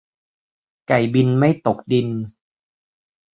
ไก่บินไม่ตกดิน